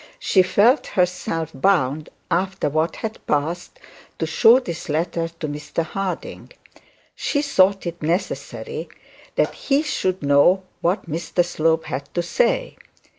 She felt herself bound, after what had passed, to show the letter to Mr Harding. She thought it necessary that he should know what Mr Slope had to say.